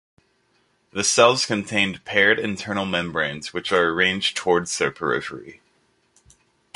The cells contained paired internal membranes which are arranged towards their periphery.